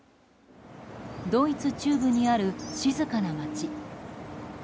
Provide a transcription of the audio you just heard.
ドイツ中部にある静かな町。